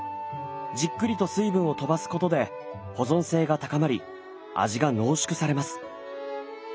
じっくりと水分を飛ばすことで保存性が高まり味が濃縮されます。